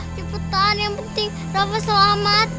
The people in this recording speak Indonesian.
cepetan yang penting rafa selamat